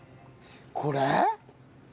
これ？